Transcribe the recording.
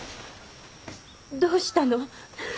どうしたの？